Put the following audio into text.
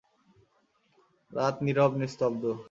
রাত নীরব নিস্তব্ধ।